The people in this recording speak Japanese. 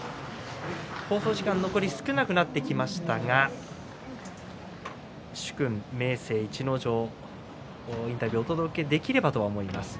放送時間、残り少なくなってきましたが殊勲、明生、逸ノ城のインタビューをお届けできればと思います。